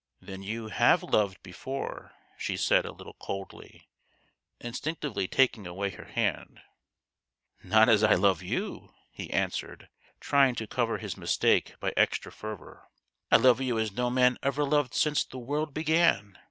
"Then you have loved before?" she said a little coldly, instinctively taking away her hands. "Not as I ]ove you," he answered, trying to cover his mistake by extra fervour. " I love you as no man ever loved since the world began